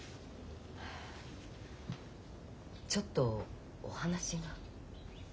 ちょっとお話が。